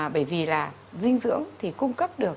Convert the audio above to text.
bởi vì là dinh dưỡng thì cung cấp được